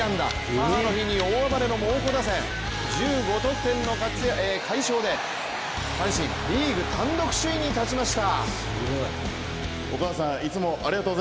母の日に大暴れの猛虎打線、１５得点の快勝で阪神、リーグ単独首位に立ちました